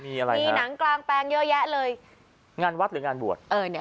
มีอะไรมีหนังกลางแปลงเยอะแยะเลยงานวัดหรืองานบวชเออเนี้ย